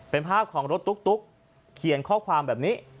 เป็นภาพของรถตุ๊กเขียนข้อความแบบนี้